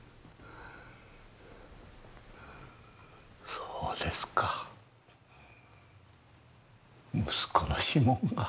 そうですか息子の指紋が。